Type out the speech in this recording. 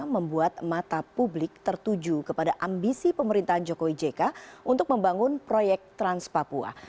membuat mata publik tertuju kepada ambisi pemerintahan jokowi jk untuk membangun proyek trans papua